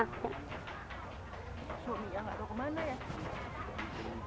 suami ya gak tahu kemana ya